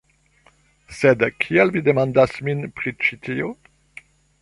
Sed kial vi demandas min pri ĉi tio?